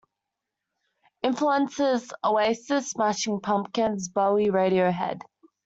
Influences: Oasis, Smashing Pumpkins, Bowie, Radiohead.